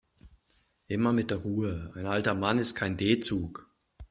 Immer mit der Ruhe, ein alter Mann ist kein D-Zug.